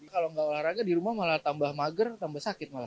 kalau nggak olahraga di rumah malah tambah mager tambah sakit malah